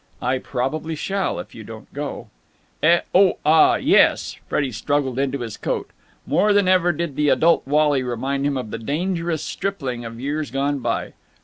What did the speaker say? "I probably shall, if you don't go." "Eh? Oh, ah, yes!" Freddie struggled into his coat. More than ever did the adult Wally remind him of the dangerous stripling of years gone by.